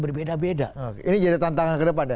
berbeda beda ini jadi tantangan ke depan